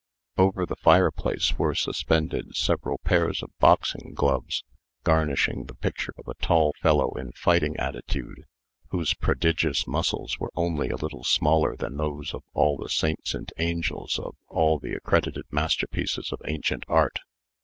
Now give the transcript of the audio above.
Over the fireplace were suspended several pairs of boxing gloves, garnishing the picture of a tall fellow in fighting attitude, whose prodigious muscles were only a little smaller than those of all the saints and angels of all the accredited masterpieces of ancient art.